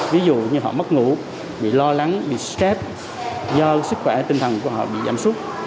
ví dụ như họ mất ngủ bị lo lắng bị stress do sức khỏe tinh thần của họ bị giảm suốt